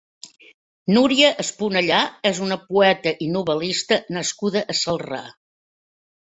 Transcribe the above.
Núria Esponellà és una poeta i novel·lista nascuda a Celrà.